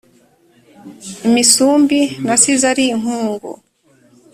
Imisumbi nasize ari inkungu